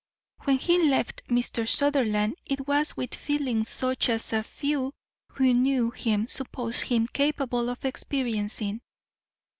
When he left Mr. Sutherland it was with feelings such as few who knew him supposed him capable of experiencing.